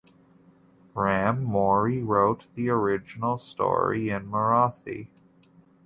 Raam Mori wrote the original story in Marathi.